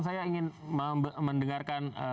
saya ingin mendengarkan